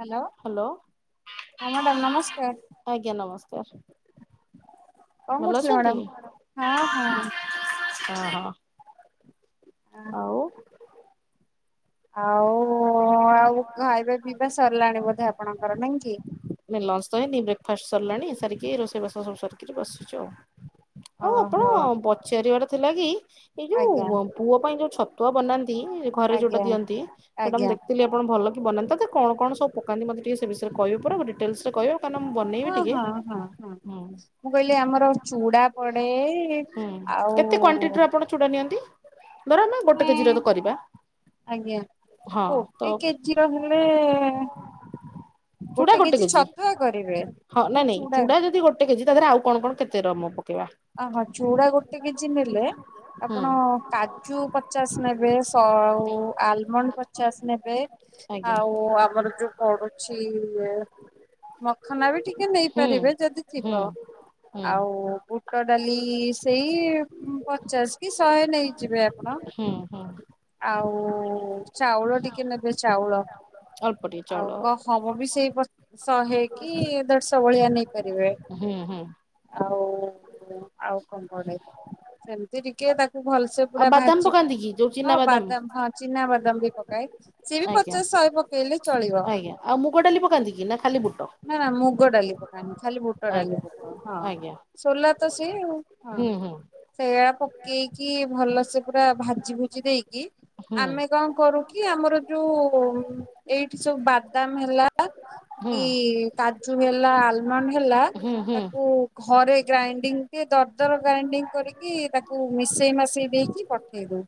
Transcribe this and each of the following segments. Hello hello ହଁ madam ନମସ୍କାର।। ଆଜ୍ଞା ନମସ୍କାର। କଣ ଭଲ କରୁଥିଲେ ଅଛନ୍ତି ମ୍ୟାଡ଼ାମ? ହଁ ହଁ। ଅ ହ। ହଁ। ଆଉ। ଆଉ ଆଉ। ଖାଇବା ପିଇବା ସରିଲାଣି ବୋଧେ ଆପଣଙ୍କର ନାଇଁ କି। ଲଞ୍ଚ ତ ହେଇନି। ବ୍ରେକଫାଷ୍ଟ ସରିଲାଣି ସାରିକି ରୋଷେଇବାସ ସବୁ ସରିକିରି ବସିଛୁ ଆଉ। ଆଉ ଆପଣ ଓହୋ ପଚାରିବାଟା ସେଥିଲାଗି। ଏଇ ଯୋଉ ଆଜ୍ଞା ଙ ପୁଅ ପାଇଁ ଯୋଉ ଛତ୍ ତୁଅ ବନାନ୍ତି। ତି ଘରେ ଯଉଟା ଆଜ୍ଞା ଦିଅନ୍ତି ସେଇଟା ମୁଁ ଆଜ୍ଞା ଦେଖିଥିଲି ଆପଣ ଭଲ ବନାନ୍ତି ତ କଣ କଣ ସବୁ ପକାନ୍ତି ମତେ ଟିକେ ସେ ବିଷୟରେ କହିବେ ପରା ମୁଁ ଡିଟ୍ ଟେଲସ୍ ରେ କହିବ। ହଁ ହଁ ହଁ ହଁ ମୁଁ କହିଲି ଆମର ଚୁଡ଼ା ପଡେ ହୁଁ ଆଉ କେତେ କ୍ଵାଣ୍ଟିଟିର ଆପଣ ଚୁଡ଼ା ନିଅନ୍ତି? ଧର ଆମେ ଗୋଟେ ମାନେ କେଜିର ତ କରିବା ଆଜ୍ଞା ହଁ ତ ଗୋଟେ କେଜିର ହେଲେ ଚୁଡା ଗୋଟେ ଗୋଟ୍ କେଜି ଟିକ୍ ଅଛି। ଛତୁଆ କରିବେ ହଁ ନାଇଁ ନାଇଁ ଚୁଡା ଯଦି ଗୋଟେ କେଜି ତାଧେରେ ଆଉ କଣ କଣ କେତେ ର ମପ? ଅହୋ ଚୁଡା ଗୋଟେ କେଜି ନେଲେ ହୁଁ। ଆପଣ କାଜୁ ପଚାଶ ନେବେ ଶ ଆଉ ଆଲମଣ୍ଡ ପଚ୍ ପଚାଶ ନେବେ। ଆଜ୍ଞା ଆଉ ଆମର ଯୋଉ ପଡୁଛି ହ [inaudible] ମଖନା ବି ଟିକେ ହୁଁ ନେଇପାରିବେ ଯଦି ହୁଁ। ଥିବ। ହୁଁ ଆଉ ବୁଟ ଡାଲି ସେଇ ପଚାଶ କି ଶହେ ନେଇଯିବେ। ଆ ହଁ ହୁଁ ହୁଁ ଆଉ ଚାଉଳ? ଟିକେ ନେବେ ଚାଉଳ। ଅଳ୍ପ ଟିକେ ଆଉ ଚାଉଳ କଣ ସମ ବି ସେଇ [unintelligible] ଶହେ କି ଦେଢ଼ଶ ଭଳିଆ ନେଇ କରିବେ ହୁଁ ହୁଁ ଆଉ ଓ ଆଉ କଣ ପଡେ? ସେମତି ଟିକେ ତାକ୍ ଭଲସେ ଆଉ ପୁରା ବାଦାମ ଭାଜି ବ। ପକାନ୍ତି କି ଯୋଉ ଚିନା ବାଦାମ ହଁ ଚିନା ବାଦାମ। ବାଦାମ୍ ବି ପକାଏ। ସିଏ ବି ଆଜ୍ଞା ପଚାଶ ଶହେ ପକେଇଲେ ଚଳିବ। ଆଜ୍ଞା ଆଉ ମୁଗ ଡାଲି ପକାନ୍ତି କି ନା ଖାଲି ବୁଟ ନା ନା ମୁଗ ଡାଲି ପକ୍ ନାହିଁ ଖାଲି ବୁଟ ଡାଲି ଆଜ୍ଞା ପକାଉ ହଁ ଆଜ୍ଞା ସୋଲା ତ ସିଏ ଆଉ ହଁ ହୁଁ ହୁଁ ସେଇଆ ପ କିଏ କିଏ ଭଲସେ ପୁରା ଭାଜି ଭୁଜି ଦେଇକି। କି ହୁଁ ଆମେ କଣ କରୁ କି ଆମର ରୁଉ ଏଇଠି ସବୁ ବାଦାମ ହେଲା। ଲା ହୁଁ କି କା ଜୁ ହେଲା ଆଲମଣ୍ଡ ହେ ହେଲା ହୁଁ ହୁଁ ତାକୁ ଘରେ ଗ୍ରାଇଁ ଣ୍ଡିଙ୍ଗ ଟିକେ ଦରଦର ଗ୍ରାଇଣ୍ଡିଙ୍ଗ କରିକି ତାକୁ ମିଶେଇ ମାସେଇ ଦେଇକି ପଠେଇ ଦୋଉ।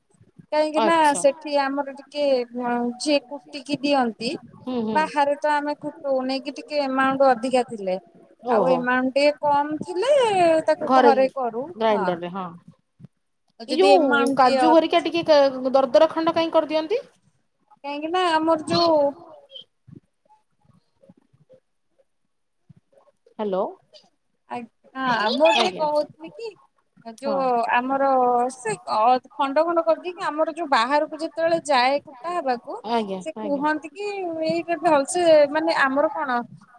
କାହିଁକି ନା ଆଚ୍ଛା ସେଠି ଆମର ଟିକେ ଟିକେ ହଁ ଯିଏ କୁଟିକି ଦିଅ ତି ହୁଁ ହୁଁ ବାହାରୁ ତ ଆମେ କୁ ତୋ ନେଇକି ଟିକେ ଏମାଉଣ୍ଟ ଅଧିକା ଥିଲେ। ଆଉ ଓହୋ ଏମାଉଣ୍ଟ ଟିକେ କମ ଥିଲେ ଘରେ କି ଗ୍ରାଇଣ୍ଡରରେ ହଁ ଆଉ ଏଇ ଯଦି ଯୋଉ ଏମାଉଣ୍ଟ ଟିକେ କାଜୁ ହେରିକା ଟିକେ ଦର ଦରଦର ଖଣ୍ଡ କାଇଁ କରିଦିଅନ୍ତି? କାହିଁକିନା ଆମର ଯୋଉ ହାଲୋ। ଆଗ୍ ହଁ ଆ ମୁଁ ଟିକେ କୋହୁଥିଲି କି ହଁ। ଯୋଉ ଆମର ର ସେ ଅଦ ଖଣ୍ଡ ଖଣ୍ଡ କରିଦେଇକି ଆମର ଯୋଉ ବାହାରକୁ ଯେତେବେଳେ ଯାଏ କୁ କୁଟା ହବାକୁ ଆଜ୍ଞା ସେ ଆଜ୍ଞା କୁହନ୍ତି କି ଏଇ ଭଲସେ ମାନେ ଆମର କଣ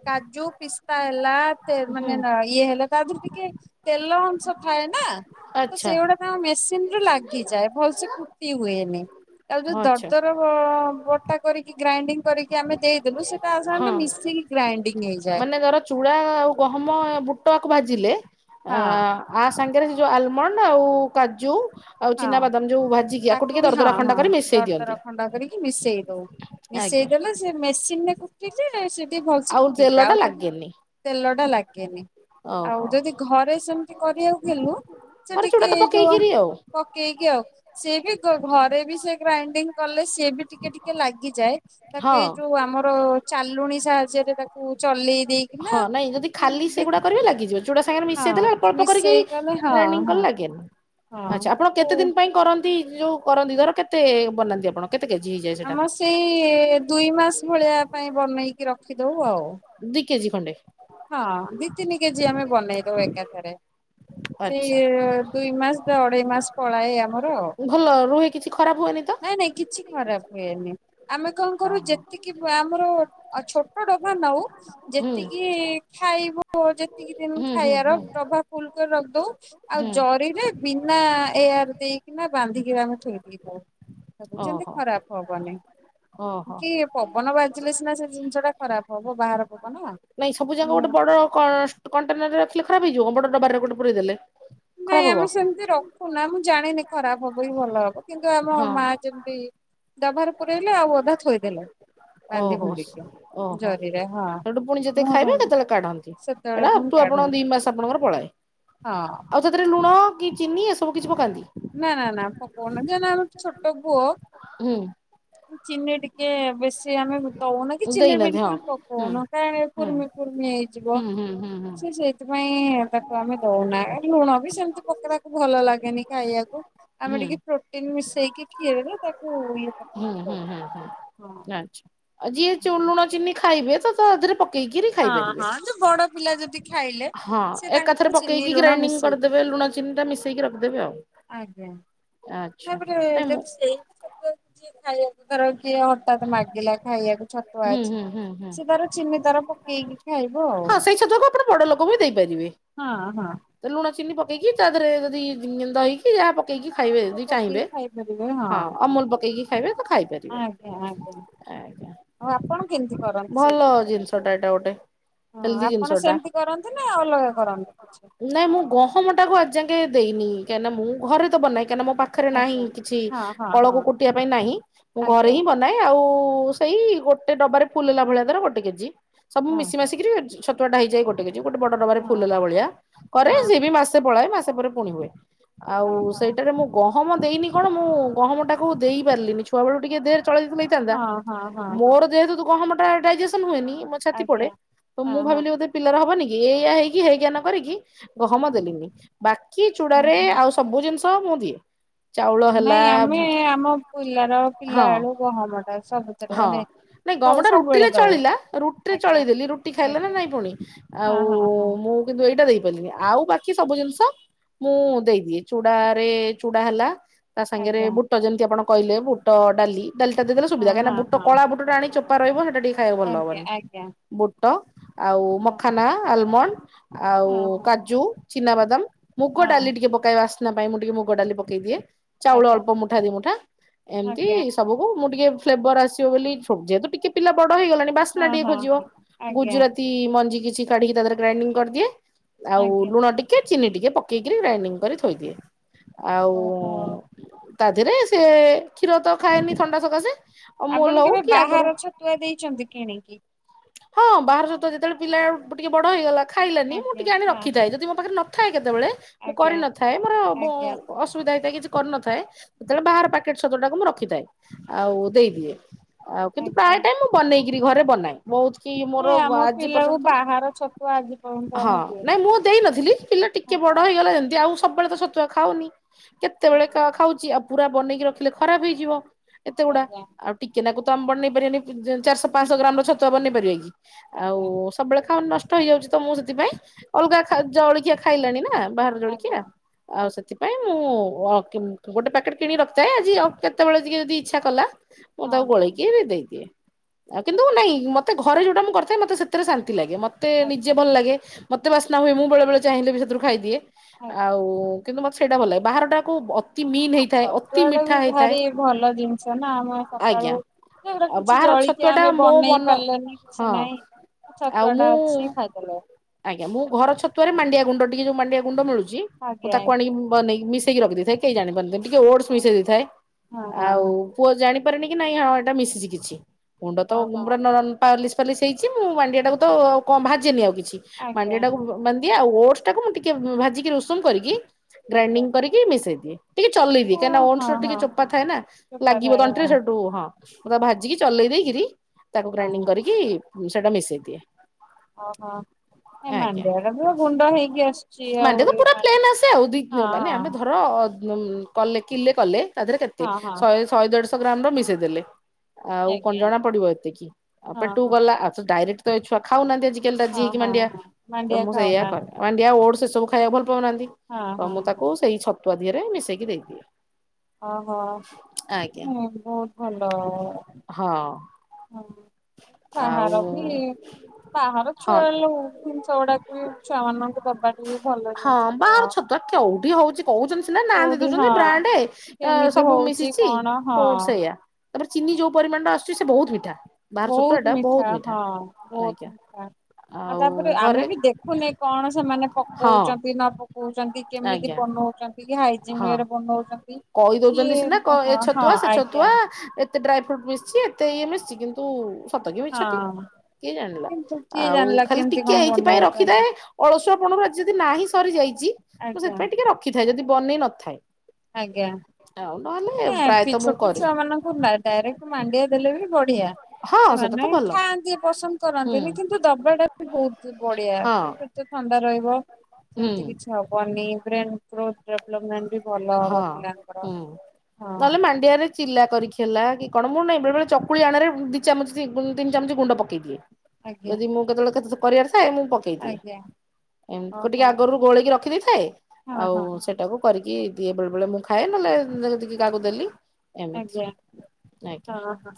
କାଜୁ ପିସ୍ତା ହେଲା ତେ ହୁଁ ମାନେ ଇଏ ହେଲା ତା ଥୀରେ ଟିକେ ତେଲ ଅଂଶ ଥାଏ ନାଁ? ତ ଆଚ୍ଛା ସେଇଗୁଡା ତାଙ୍କ ମେସିନ୍ ରୁ ଲାଗେ ଗି ଯାଏ ଭଲସେ କୁଟି ହୁଏନି। ଆଉ ଯୋଉ ହଁ ଆଚ୍ଛା ଦର୍ଦର୍ ବଅ କଟା କରିକି ଗ୍ରାଇଣ୍ଡିଙ୍ଗ କରିକି ଆମେ ଦେଇଦେଲୁ ସେ ହଁ ମାନେ ତାର ଚୁଡା ଆଉ ଗହମ ତ ଆକୁ ଭାଜିଲେ ଅ ହଁ ଆ ସଂଖ ସେ ଯୋଉ ଆଲମଣ୍ଡ ଆଉ କାଜୁ ଆଉ ହଁ ଚିନାବାଦାମ ଯୋଉ ଭାଜିକି ଆକୁ ତାକୁ ଟିକେ ବି ହଁ ଦରଦରା ଖଣ୍ଡା ହଁ କରି ମିଶେଇ ଦିଅନ୍ତି ଦରଦର ଖଣ୍ଡା କରିକି ମିଶେଇ ଦଉ। ଆଜ୍ଞା। ମିଶେଇଦେଲେ ସେ ମେସିନ ରେ କୁଟିଛି ସେ ଟେ ଭଲସେ ଆଉ ତେଲ କୁଟିଯା ଟା ଆଉ ଯଦି ଲାଗେନି ତେଲଟ ଟା ଲା କେ ଆଉ ଓହୋ ଯଦି ଘରେ ସେମିତି କରିଆକୁ ହେଲୁ ସେ ପରେ ଚୁଡା ଟିକେ ତ ଯୋଉ ପକେଇକିରି ଆଉ ପକେଇକି ଆଉ ସିଏ ବି ଘରେ ବି ସେ ଗ୍ରାଇଣ୍ଡିଙ୍ଗ କଲେ ସିଏ ବି ଟିକେ ଟିକେ ଲାଗିଯାଏ। ହଁ। ବାକି ଏ ଯୋଉ ଆମର ଚାଲୁଣି ସାହାଯ୍ୟରେ ତା ହଁ ନାଇଁ ଯଦି ଖାଲି ସେଗୁଡା କରିବେ ଲାଗିଯିବ। ଚୁଡା ସାଙ୍ଗରେ ମିଶେଇ ଦେଲେ ଅଳ୍ପ ଅଳ୍ପ କରିକି ମିଶେଇ କଲେ ହଁ ଗ୍ରାଇଣ୍ଡିଂ ହଁ କଲେ ଲାଗେନି ହଁ ଆଚ୍ଛା ଆପଣ ତାକୁ କେତେ ଦିନ ପାଇଁ କର ଯୋଉ କରନ୍ତି ଧର କେତେ ବନାନ୍ତି ଆପଣ? କେତେ କେଜି ହେଇଯାଏ ସେଟା? ଆମର ସେଇ ଦୁଇ ମାସ ଭଳିଆ ପାଇଁ ବନେଇକି ରଖିଦଉ ଆଉ। ଦୁଇ କେଜି ଖଣ୍ଡେ ହଁ ଦି ତିନି କେଜି ଆମେ ବନେଇ ଦଉ ଏକାଥରେ। ଆଚ୍ଛା ସେଇ ଦୁଇ ମାସ ବା ଅଢେଇ ମାସ ପଳାଏ ଆମର ଆଉ ଭଲ ରୁହେ କିଛି ଖରାପ ହୁଏନି ତ? ନାଇଁ ନାଇଁ କିଛି ଖରାପ ହୁଏନି। ଆମେ କରୁ ହୁଁ ଯେତିକି ଆମର ଆଉ ଛୋଟ ଡଭା ନଉ ହୁଁ ଯେତିକି ଖାଇବୁ ଯେ ତିକି ଦିନ ହୁଁ ଖାଇଆର ହୁଁ ଡଭା ଫୁଲ କରି ରଖିଦଉ ଆଉ ହୁଁ ଜରିରେ ବିନା ଏଆର ଦେଇକି ନା ବାନ୍ଧି କିରି ଆମେ ସବୁ ଯେମତି ଓହୋ ଖରାପ ହବନି ଓହୋ। କି ପବନ ବାଜିଲେ ସିନା ସେ ଜିନିଷଟା ଖରାପ ହବ ବାହାର ପ ବନେଇଆ ଯା ଗୋଟେ ବଡ କଣ୍ଟେନରେ ରଖିଲେ। ଖରାପଇଯିବ ବଟ ଡବାରେ ଗୋଟ ପୁରଇ ଦେଲେ। ନାଇଁ ଖରାପ ହବ ଆମେ ସେମିତି ରଖୁନା ମୁ ଜାଣିନି ଖରାପ ହବ କି ଭଲ ହବ। କିନ୍ତୁ ଆମ ହଁ ମା ଯେମତି ଡଭାରେ ପୁରେଇଲେ ଆଉ ଅଧା ଥୋଇଦେଲେ। ବାନ୍ଧି ଓହୋ ବୁନ୍ଧିକି ଓହୋ ଜରିରେ ହଁ ସେଠୁ ପୁଣି ଯେତେ ମୁହଁ ଖାଇବା ବାନ୍ଧି କେତେବେଳେ କାଢନ୍ତି। ସେତେବେଳେ ସେଟା ପୁଣି ଅପ୍ଟୁ କାଢୁ ଆପଣଙ୍କ ଦି ମାସ ଆପଣଙ୍କର ପଳାଏ। ହଁ ଆଉ ତାଦେହରେ ଲୁଣା କି ଚିନି ଏସବୁ କିଛି ପକାନ୍ତି। ନା ନା ନା ପକଉନା ଯେ ଆମ ଛୋଟ ପୁଅ ହୁଁ। ଚିନି ଟିକେ ବେଶ ସେ ଆମେ ଦଉନାକି ହୁଁ ଏହଚିନି ଦେଇନାହାନ୍ତି ହଁ ବିଲକୁଲ ପକଉନ ହୁଁ କାଁ କୁର୍ମି ଫୁର୍ମି ହେଇଯିବ ହୁଁ ହୁଁ ହୁଁ ହୁଁ ସେ ସେଇଥିପାଇଁ ପାଇଁ ତାକୁ ଆମେ ଦଉନା ଆ ଲୁଣ ବି ସେମିତି ପକେଇବାକୁ ଭଲ ଲାଗେନି କାଇବାକୁୁ ଆମେ ହୁଁ ଟିକେ ପ୍ରୋଟିନ୍ ମିଶେଇ ଦେଖି ହେବେ ତାକୁ ଇଏ ହୁଁ ପକେଇକି ଦଉ ହୁଁ ହୁଁ ହୁଁ ହଁ। ନାଞ୍ଚ ଆ ଯିଏ ଚୁ ଲୁଣ, ଚିନି ଖାଇବେ ଚ ସହଜରେ ପକେଇକିରି ହଁ ଖାଇପାରିବେ। ହଁ ଯୋଉ ବଡ ପିଲା ଯଦି ଖାଇଲେ ହଁ ସେ ଏକାଥରେ ତାଙ୍କର ଚିନି ପକେଇକି ଲୁଣ ଗ୍ରାଇଣ୍ଡିଙ୍ଗ ମିଶେଇ କରିଦେବେ ଲୁଣ, ଚିନି ଟା ମିଶେଇକି ରଖିଦେବେ ଆଉ ଆଜ୍ଞା ଆଚ୍ଛା ତାପରେ ନାଇଁ ଯେ ମୁଁ ସେଇ [unintelligible] ଖାଇବାକୁ ତାର। ସ ହଠାତ ମାଗିଲା ଖାଇବାକୁ ଛତୁଆ ହୁଁ ଅଛି ହୁଁ ହୁଁ ହୁଁ ସେ ତାର ଚିନି ତାର ପକେଇକି ଖାଇବ ଆଉ ହଁ ସେଇ ଛତୁଆକୁ ଆପଣ ବଡ ଲୋକ ବି ଦେଇପାରିବେ। ହଁ ହଁ। ପେଇକି ତା ଦେହରେ ଯଦି ଦହିକି ଯାହା ପକେଇକି ଖାଇବେ ଯଦି ପକେଇକି ଚାହିଁବେ ଖାଇପାରିବେ ହଁ ଅମୁଲ ପକେଇକି ଖାଇବେ ଖାଇପାରିବେ। ଆଜ୍ଞା ଆଜ୍ଞା ଆଞା ଆଉ ଆପଣ କେମିତି କରନ୍ତି ସେଇ ଭଲ ଜିନିଷଟାକୁ? ଜିନିଷଟା ଏଟା ଗୋଟେ ହଁ ହେଲଦି ଆପଣ ଜିନିଷଟା ସେମିତି କରନ୍ତି ନା ଅଲଗା କରନ୍ତି କିଛି? ନାଇଁ ମୁଁ ଗହମ ଟାକୁ ଆଜ୍ ଯାଙ୍କେ ଦେଇନି କାହିଁକ ନା ମୁଁ ଘରେ ତ ବନାଏ କାଁଇକି ନା ମୁ ପାଖରେ ନାହିଁ ଆଜ୍ଞା କିଛି ହଁ ହଁ କଳକୁ ହଁ କୁଟିବା ପାଇଁ ନାହିଁ ଘରେ ଆଜ୍ଞା ହିଁ ବନାଏ ଆଉ। ସେଇ ଗୋଟେ ଡବାରେ ଫୁଲ ହେଲା ଭଳିଆ ଦର ଗୋଟେ କେଜି ସବୁ ହଁ ମିଶି ମାସିକିରି ଯୋ ଛୋଟ ତଡ଼ା ହେଇଯାଏ ଗୋଟେ ଗୋଟେ ବଡ ଡବାରେ ହଁ ଫୁଲ ହେଲା ହଁ ଭଳିଆ କରେ ହଁ ସିଏ ବି ହଁ ମାସେ ପଳାଏ ମାସେ ପରେ ପୁଣି ହୁଏ। ଆଉ ଓହୋ ସେଇଟାରେ ମୁଁ ଗଣ ଗହମ ଦେଇନି କଣ ମୁଁ ଗହମଟାକୁ ଦେଇପାରିଲିନି ଛୁଆବେେଳୁ ଦେର ଚଳ ହେଇଥାନ୍ତା ହଁ ହଁ ହଁ ହଁ ମୋର ଯେହେତୁ ତୁ ଗହ ଟା ଡାଇଜେସନ୍ ହୁଏନି। ମୋ ଛଥି ପଡେ ଆଜ୍ଞା ତ ହଁ ମୁଁ ହଁ ଭାବିଲି ଗୋଧେ ପିଲାର ହବନି କି କିଏ ଏଇଆ ହେଇକି ହେଇ୍ଞା ନ କରିକି ଗହମ ହଁ ଦେଲିନି ବାକି ଚୁଡରେ ଆଉ ସବୁ ଜିନିଷ ତ ମୁ ଦିଏ। ଚାଉଳ ହ ହେଲା ନାଇଁ ଆମେ ଆମ ପିଲାର ହଁ ପିଲା ବେଳୁ ଗହମ ଟା ସବୁଥିରେ ହଁ ମାନେ ନାଇଁ ଦଉ ଗମଟା ସବୁବେଳେ ରୁଟିରେ ଦଉ ଚଳିଲା ରୁଟିରେ ଆଜ୍ଞା ଚଳେଇ ଦେେଲି ରୁଟି ଖାଇଲା ନା ଆଜ୍ଞା ନାଇଁ ପୁଣି ହଁ ଆଉ ହଁ ହଁ ମୁଁ କିନ୍ତୁ ଏଇଟା ଦେଇପାରିଲିନି ଆଉ ବାକି ସବୁ ଜିନିଷ ମୁଁ ଦେଇଦିଏ ଚୁଡା ରେ ଚୁଡା ହେଲା ତା ସାଙ୍ଗରେ ଆଜ୍ଞା ବୁଟ ଯେମିତି ଆପଣ କହିଲେ ବୁଟ ଡାଲି ଡାଲିଟା ଦେଇଦେଲେ ହଁ ସୁବିଧା। କାହିଁକିନା ହଁ ବୁଟ ହଁ କଳା ହଁ ବୁଟ ଟା ଆଣି ଚୋପା ରହିବ ସେଟା ଟିକେ ଖାଇବା ଭଲ ଆଜ୍ଞା ହବନି ଆଜ୍ଞା ବୁଟ ଆଉ ହଁ ମଖାନା ଆଲମଣ୍ଡ ଆଉ ହଁ ହଁ କାଜୁ ଚିନାବାଦାମ ମୁଗ ଡାଲି ହଁ ଟିକେ ପକେଇବା ଆସି ପାଇଁ ମୁଁ ଟିକେ ମୋ ଗଡାଲି ପକେଇ ଦିଏ। ଚାଉଳ ଆଜ୍ଞା ଅଳ୍ପ ମୁଠା ଦି ମୁଠା ଏମିତି ଆଜ୍ଞା ସବୁକୁ ମୁ [unintelligible] ପ୍ଲେବର ଆସ ସିବ ବୋଲି ଯେହେତୁ ଟିକେ ପିଲ ହେଇଗଲାଣି ବାସ୍ନା ହଁ ଟିକେ ହଁ ଖୋଜିବ ହଁ ଆଜ୍ଞା ଗୁଜୁରାତି ମଞ୍ଜି କି କାଢିକି ତାାର ଗ୍ରାଇଣ୍ଂ କରିଦିଏ। ଆଉ ଆଜ୍ଞା ଲୁଣ ଟିକେ। ଚିନି ଟିକେ ପକେଇକିରି ଗ୍ରାଇଣ୍ଡିଙ୍ଗ କରି ଥୋଇଦିଏ। ଆଉ। ଓହୋ ତା ଦେହରେ ସେ କ୍ଷୀର ତ ଖାଏନି ଥଣ୍ଡା ସକାଶେ। ଅମୁଲ ଆପଣ ହଉ କେବେ କି ଆଗରୁ ବାହାର ଛତୁଆ ଦେଇଛନ୍ତି କିଣିକି। ହଁ ବାହାର ଛତୁଆ ଯେତେବେଳେ ପିଲା ଟିକେ ବଡ ହେଇଗଲା। ଖାଇଲାନି ମୁଁ ଆଜ୍ଞା ଟିକେ ଆଣି ହଁ ହଁ ରଖିଥାଏ ଯଦି ମୋ ପାଖରେ ନ କେତେବେଳେ ମୁଁ ଆଜ୍ଞା କରିନଥାଏ ମୋର ବ ଆଜ୍ଞା ଅସୁବିଧା ହେଇଥାଏ କିଛି କରିନଥାଏ ସେତେବେଳେ ବାହାର ପ୍ୟାକେଟ ଛତୁଆ ଟାକୁ ମୁଁ ରଖିଥାଏ ଆଉ ଦେଇଦିଏ। ଆଉ କିନ୍ତୁ ଆଜ୍ଞା। ପ୍ରାୟ ଟାଇ ମୁଁ ବନେଇ କିିରି ଘରେ ବନାଏ। ବହୁତ କି ମୋର ନାଇଁ ଆମ ଆଜି ପିଲାକୁ ପର୍ଯ୍ୟନ୍ତ ବାହାର ଛତୁଆ ଆଜି ପର୍ଯ୍ୟନ୍ତ ହଁ ଆମେ ନାଇଁ ମୁଁ ଦେଇନୁ ଦେଇନଥିଲି ପିଲା ଟିକେ ବଡ ଆଜ୍ଞା ହେଇଗଲା ଯେମତି ଆଉ ସବୁବେଳେ ତ ଛତୁଆ ଖାଉନି। କେତେବେଳେ ହଁ। ଏକା ଖାଉଛି ଆ ପୁରା ବନେଇକି ରଖିଲେ ଖରାପ ହେଇଯିବ। ଏତେ ଗୁଡା ଆଜ୍ଞା ଆଉ ଟିକେ ନାକୁ ତ ଆମ ଆଜ୍ଞା ବନେଇ ପାରିବାନି ଚାରିଶହ ପାଞ୍ଚଶହ ଗ୍ରାମ ର ଛ ତ ବନେଇ ପାରିବା କି? ଆଜ୍ଞା ଆଉ ସବୁବେଳେ ଖାଉନ ନଷ ତ ହେଇଯାଉଛି ତ ମୁଁ ସେଥିପାଇଁ ଅଲଗା ଖା ଜଳଖିଆ ଖାଇଲାଣି ନା। ବାହାର ଜଳିଖିଆ ଆଜ୍ଞା ଆଉ ହଁ ସେଥିପାଇଁ ମୁଁ ଓ [unintelligible] ଗୋଟେ ପ୍ୟାକେଟ କିଣିକି ରଖିଥାଏ ଆଜି କେତେବେଳେ ଟିକେ ଯଦି ଇଚ୍ଛା କଲା। ମୁଁ ତାକୁ ହଁ। ଗୋଳେଇକି ବି ଦେଇଦିଏ। ଆଉ କିନ୍ତୁ ନାଇଁ। ମତେ ଘରେ ଯୋଉଟାଁ ମୁଁ କରିଥାଏ ମତେ ସେଥିରେ ଶାନ୍ତି ଲାଗେ ମ ତେ ନିଜେ ଆଜ୍ଞା ଭଲ ଲାଗେ। ମତେ ବାସ୍ନା ହୁଏ ମୁଁ ବେଳେ ବେଳେ ଚାହିଁଲେ ବି ସେଥିରୁ ଖାଇଦିଏ। ଆଜ୍ଞା ଆଉ ହଁ କିନ୍ତୁ ମ ସେଇଟା ଭଲ ଲାଗେ ବାହାରଟାକୁ ଅ ହ ଛତୁଆଟା ବି ଭାରି ଭଲ ଜିନିଷ ନା ଆମେ ସକାଳୁ ଆଜ୍ଞା ଏଗୁରା ଆଉ କିଛି ବାହାର ଛତୁଆ ଜଳିଖିଆ ଟା ଆମେ ମୋ ବନେଇ ମନ ପାରି ହଁ ଆଉ ଟା ମୁଁ ଅଛି ଖାଇଦେଲେ। ଆଜ୍ଞା ମୁଁ ଘର ଛତୁଆରେ ମାଣ୍ଡିଆ ଗୁଣ୍ଡ ଟିକେ ଯୋଉ ମାଣ୍ଡ ଣ୍ଡିଆ ଗୁଣ୍ଡ ମିଳୁଚି। ଚି ମୁଁ ଆଜ୍ଞା ତାକୁ ଆଣି ଆଜ୍ଞା କି ବନେଇକି ମିସ୍ ରଖିଦେଇ ଥାଏ କେହି ଜାନିପାରନ୍ତିନି ଟିକେ ଓଡସ ମିଶେଇ ଦେଇଥାଏ। ହଁ ହଁ ଆଉ ପୁଅ ଜାଣି ପାରେନି କି ନାଇଁ ହଁ ଏଇଟା ମିଶିଛି କିଛି। ଗୁଣ୍ଡ ତ ହଁ ହଁ ପୁରା ହଁ ନର ପାଲିସ ପାଲିସ ହେ କି ମୁଁ ମାଣ୍ଡିଆ ଟାକୁ ତ ହଁ କଣ ଭାଜେନି ଆଉ କିଛି, ଆଜ୍ଞା। ମାଣ୍ଡିଆ ଟାକୁ ମାନେ ଆଉ ଓଟ୍ସ ଟାକୁ ମୁଁ ଟିକେ ଭାଜିକି ଉଷୁମ କରିକି ଆଜ୍ଞା ଗ୍ରାଇଣ୍ଡିଙ୍ଗ କରିକି ମିଶେଇ ଦିଏ। ଟିକେ ଚଲେଇବି ହଁ କାଇନା ହଁ ଓନସ୍ ହଁ ଟିକେ ଚୋପା ହଁ ଥାଏ ନା ଚୋପା ଲାଗିବ ଥାଏ ତଣ୍ଟିରେ ହଁ। ସେଠୁ ହଁ ମୁଁ ତାକୁ ଭାଜିକି ଚଲେଇ ଦେଇକିରି ତାକୁ ହଁ ଗ୍ରାଇଣ୍ଡି କି ମୁଁ ସେଟା ମିଶେଇ ଦିଏ। ଓହୋ ହିଁ ଆଜ୍ଞା। ମାଣ୍ଡିଆ ଗୁରା ତ ଗୁଣ୍ଡ ହେଇଗି ଆସୁଚି ଆଉ ମାଣ୍ଡିଆ ତ ପୁରା ହଁ ପ୍ଲେନ୍ ହଁ। ମୁଁ କଲେ କିିଲେ କଲେ ତାଦେରେ କେତେ ହଁ ଶହେ ହଁ ଶହେ ଦେଢଶ ଗ୍ରାମ ର ମିଶେଇ ଦେଲେ। ଆଉ କଣ ଆଜ୍ଞା ଜଣା ପଡିବ ଏତିକି। ହଁ ଆପେଟୁ ହଁ। ଗଲା ଆସୁଦା ଆରେଟ୍ ତ ଏ ଛୁଆ ଖାଉନାହାନ୍ତି ଆଜି ହଁ ହଁ ହଁ ମାଣ୍ଡିଆ ଖାଉନାହାନ୍ତି [unintelligible] ଖାଇଆ ଭଲ ପାଉନାହାନ୍ତି ହଁ ତ ମୁଁ ହଁ। ତାକୁ ସେଇ ଛତ ପ୍ରଦିଆରେ ମିସେଇ କି ଦେଇଦିଏ। ହଁ ହଁ ହଁ ଆଜ୍ଞା। ମୁଁ ବହୁତ ଭଲ ହଁ ହଁ। ଆଉ ବାହାର ବି ବାହାର ହଁ ଛୁଆ ଲୋଜିନିଷ ଗୁଡାକ ବି ଛୁଆ ମାନଙ୍କୁ ଦବାଟ ବି ଭଲ ହଁ ଜିନିଷ ବାହାର ନୁହଁ। ଛତୁଆ କୋଉଠି ହୋଉଚି? କହୁଛନ୍ତି ସିନା ନାଁ ଦେଇ କୋଉଠି ଦଉଛନ୍ତି ହଁ ବ୍ରାଣ୍ଡେ ଅ କେମିତି ସବୁ ହଉଛି ମିଶିଛି କଣ ହଁ କୋଉଠି ସେଇୟା। ତାପରେ ଚିନି ଯୋଉ ପରିମାଣରେ ଆସୁଚି ସେ ବହୁତ ମିଠା। ବାହାର ବହୁତ୍ ଛତୁଆଟା ମିଠା ବହୁତ ହଁ ବହୁତ୍ ଆଜ୍ଞା ମିଠା ଆଉ ତାପରେ ଆମେ ବି ଦେଖୁନେ କଣ ସେମାନେ ହଁ ପକଉଚନ୍ତି। ନ ପକଉଚନ୍ତି କେମିତି ଆଜ୍ଞା ବନଉଚନ୍ତି ଘାଇ ହଁ କଇ ଦଉଛନ୍ତି ସିନା ଏ ହଁ ହଁ ଛତୁଆ ସେ ଆଜ୍ଞା ଛତୁଆ ଏତେ ଡ୍ରାଇ ଫ୍ରୁଟ ବି ସିଏ ଏତେ ଇଏ ମିଶ୍ ଚି କିନ୍ତୁ ସତ କି ମିଛ ତ ହଁ। କିଏ ଜାଣିଲା କିନ୍ତୁ କିଏ ଆଉ ଜାଣିଲା ଖାଲି କେମିତି ଟିକେ କଣ ଏଇଥିପାଇଁ ବନଉଛନ୍ତି ରଖିଥାଏ ଅଳସୁଆ ପଣରୁ ଆଜି ଯଦି ନାହିଁ ସରିଯାଇଛି ମୁଁ ଆଜ୍ଞା ସେଥିାଇଁ ଟିକେ ରଖିଥାଏ ଯଦି ବନେଇ ନଥାଏ। ଆଜ୍ଞା ଆଉ ନହେଲେ ନା କି ପ୍ରାୟତଃ ମୁଁ ଛୋଟ କରେ ଛୁଆ ମାନଙ୍କୁ ନ ଡାଇରେକ୍ଟ ମାଣ୍ଡିଆ ଦେଲେ ବି ବଢିଆ ହଁ ସେଟା ତ ସେମାନେ ଭଲ ଖାଆନ୍ତି। ପସନ୍ଦ ହୁଁ କରନ୍ତିନି। କିନ୍ତୁ ଦବା ଟା ବି ବହୁତ୍ ବଡିଆ ହଁ। କି ପେଟ ଥଣ୍ଡା ରହିବ ହୁଁ ସେମିତି କିଛି ହବନି। ଗ୍ରେନ୍ କ୍ରୋଥ ଡଭେଲପମେନ୍ଦି। ହଁ [inaudible] ହୁଁ- ହଁ ନଲେ ମାଣ୍ଡିଆରେ ଚିଲା କରିକି ହେଲା କି କଣ ମୁଁ ନାଁ ବେଳେ ବଳେ ଚକୁଳି ଆଣରେ, ଦି ଚାମଚି ତିମ ତିନି ଚାମଚି ଗୁଣ୍ଡ ପକେଇ ଦିଏ। ଆଜ୍ଞା। ଯଦି ମୁଁ କେତେବେଳେ [unintelligible] କରିଆରଶ୍। ଥାଏ ମୁଁ ପକେଇ ଦିଏ ଆଜ୍ଞା [inaudible] ଏମ୍ ଟିକେ ଓହୋ ଆଗରୁ ଗୋଳେଇକି ରଖିଦେଇଥାଏ ହଁ ଆଉ ହଁ ସେଟାକୁ କରିକି କିବ୍। ଦିଏ ବେଳେ ବେଳେ ମୁଁ ଖାଏ ନହେଲେ ଦେଖେ ତିକେ କାହାକୁ ଦେଲି। ଏମିତି ଆଜ୍ଞା ଆଜ୍ଞା ହଁ ହଁ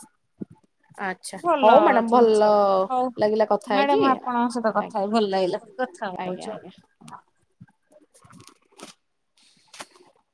ଆଚ୍ଛା ଭଲଅ ହଉ ମ୍ୟାଡାମ ଭଲ ଜିନିଷ ବି ହଉ ଲାଗିଲା କଥା ହେଇକି। ମ୍ୟାଡାମ ଆପଣଙ୍କ ସହିତ କଥା ଆଜ୍ଞା ହେଇ ଭଲ ଲାଗିଲା କଥା ଆଜ୍ଞା ହଉଚୁ ଆଉ ଆଜ୍ଞା। ହଁ। [inaudible] [inaudible]